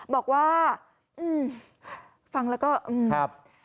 บอกว่าฟังแล้วก็